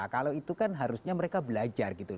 kalau itu kan harusnya mereka belajar gitu